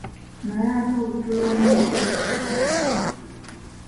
Naye ate obutuulo bwa Nnamasole buyitibwa butya?